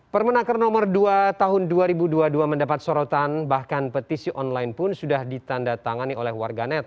permenaker nomor dua tahun dua ribu dua puluh dua mendapat sorotan bahkan petisi online pun sudah ditanda tangani oleh warganet